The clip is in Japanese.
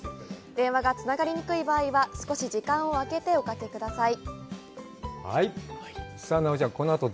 電話がつながりにくい場合は、少し時間をあけておかけください。